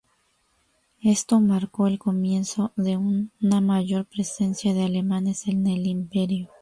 Esto marcó el comienzo de una mayor presencia de alemanes en el Imperio.